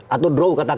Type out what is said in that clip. atau draw katakan